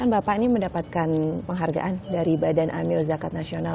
bapak ini mendapatkan penghargaan dari badan amil zakat nasional